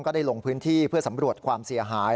ได้ลงพื้นที่เพื่อสำรวจความเสียหาย